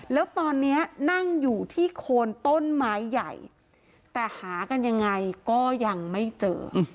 แล้วตอนนี้นั่งอยู่ที่โคนต้นไม้ใหญ่แต่หากันยังไงก็ยังไม่เจอ